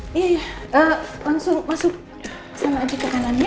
eh iya iya eh langsung masuk sama aja ke kanan ya